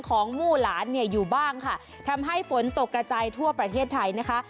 มู่หลานเนี่ยอยู่บ้างค่ะทำให้ฝนตกกระจายทั่วประเทศไทยนะคะ